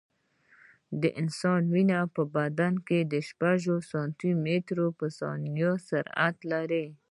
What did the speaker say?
د انسان وینه په بدن کې شپږ سانتي متره په ثانیه سرعت لري.